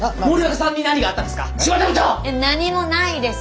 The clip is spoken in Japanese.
何もないです。